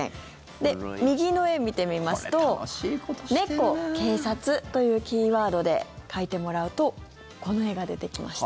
で、右の絵を見てみますと「猫、警察」というキーワードで描いてもらうとこの絵が出てきました。